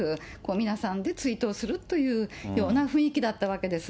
皆さんで追悼するというような雰囲気だったわけです。